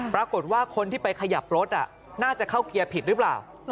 ปรากฏว่าคนที่ไปขยับรถน่าจะเข้าเกียร์ผิดหรือเปล่า